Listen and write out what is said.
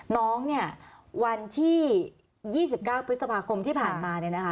น้องนี่วันที่๒๙พฤษภาคมที่ผ่านมา